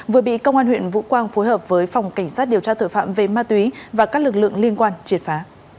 vừa bị công an huyện vũ quang phối hợp với phòng cảnh sát điều tra tội phạm về ma túy và các lực lượng liên quan triệt phá